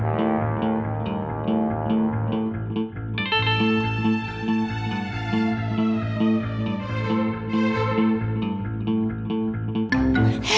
kamunya berisik dari tadi gak bisa diem